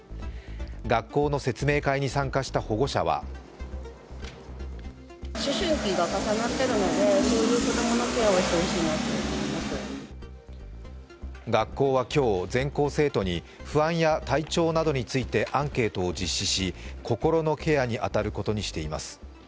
学校の説明会に参加した保護者は学校は今日、全校生徒に不安や体調などについてアンケートを実施し、心のケアに当たることにしています。